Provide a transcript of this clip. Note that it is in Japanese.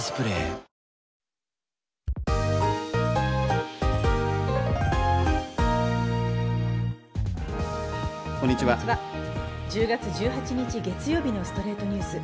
１０月１８日、月曜日の『ストレイトニュース』。